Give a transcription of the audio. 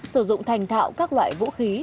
sử dụng thành thạo các loại vũ khí